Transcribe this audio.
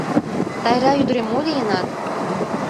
Тайра, ӱдырем, мо лийынат?..